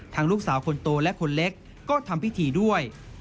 ลูกสาวคนโตและคนเล็กก็ทำพิธีด้วย